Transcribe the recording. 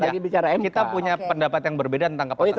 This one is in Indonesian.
kita punya pendapat yang berbeda tentang kepatasan politik